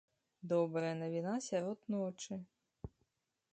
Добрая навіна сярод ночы.